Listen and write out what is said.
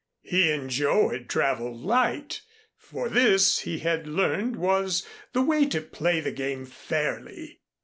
He and Joe had traveled light; for this, he had learned, was the way to play the game fairly.